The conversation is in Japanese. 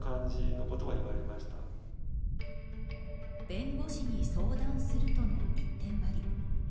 弁護士に相談するとの一点張り。